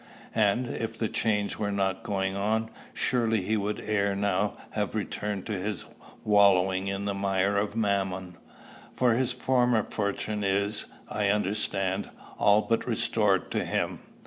And, if the change were not going on, surely he would ere now have returned to his wallowing in the mire of Mammon; for his former fortune is, I understand, all but restored to him.